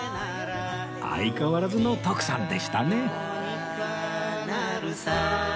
相変わらずの徳さんでしたね